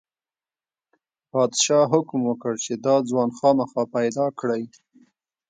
پادشاه حکم وکړ چې دا ځوان خامخا پیدا کړئ.